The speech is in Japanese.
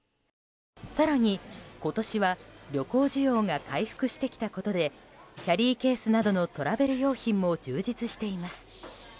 更に今年は旅行需要が回復してきたことでキャリーケースなどのトラベル用品も充実しています。